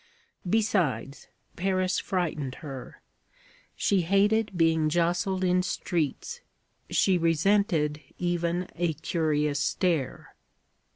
Besides, Paris frightened her. She hated being jostled in streets; she resented even a curious stare.